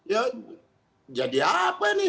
ya jadi apa ini